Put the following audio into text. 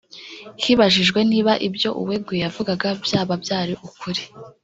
Hibajijwe niba ibyo uweguye yavugaga byaba byari ukuri